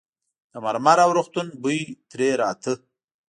د مرمر او روغتون بوی ترې راته.